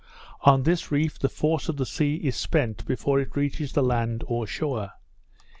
On this reef the force of the sea is spent before it reaches the land or shore.